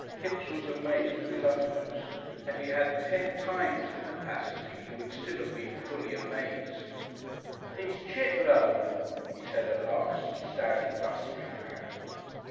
Kipps was amazed to his uttermost; had he had ten times the capacity he would still have been fully amazed. "It's Chit'low!" he said at last, standing duster in hand.